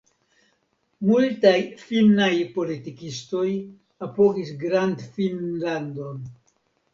Multaj finnaj politikistoj apogis Grandfinnlandon.